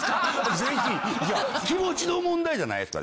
ぜひ！気持ちの問題じゃないですか？